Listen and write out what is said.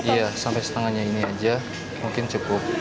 iya sampai setengahnya ini aja mungkin cukup